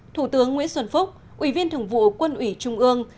thủ tướng nguyễn xuân phúc ủy viên thường vụ quân ủy trung ương